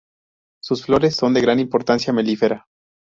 Sus flores son de gran importancia melífera.